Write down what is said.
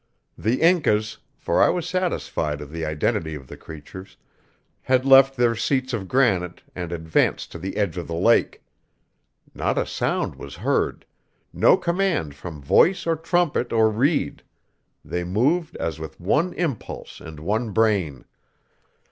The Incas for I was satisfied of the identity of the creatures had left their seats of granite and advanced to the edge of the lake. Not a sound was heard no command from voice or trumpet or reed; they moved as with one impulse and one brain.